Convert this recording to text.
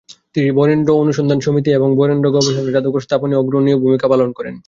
তিনি ‘বরেন্দ্র অনুসন্ধান সমিতি’ এবং ‘বরেন্দ্র গবেষণা জাদুঘর’ স্থাপনে অগ্রনীয় ভূমিকা পালন করেন।